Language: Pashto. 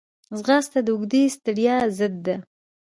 ځغاسته د اوږدې ستړیا ضد ده